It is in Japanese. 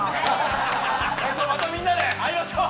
またみんなで会いましょう。